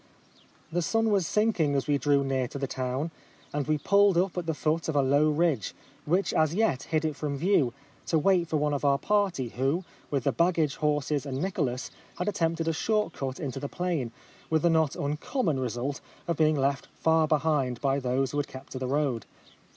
The sun was sinking as we drew near to the town ; and we pulled up at the foot of a low ridge, which as yet hid it from view, to •wait for one of our party who, with the baggage horses and Nicholas, had attempted a short cut into the plain, with the not uncommon result of being left far behind by those who had kept to the road.